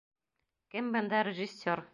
Кем бында режиссер?